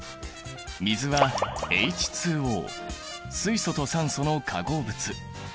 水はＨＯ水素と酸素の化合物。